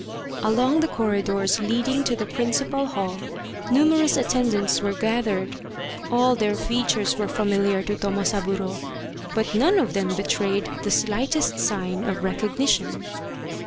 Along the corridors leading to the principal hall numerous attendants were gathered : all their features were familiar to Tomosaburo, but none of them betrayed the slightest sign of recognition.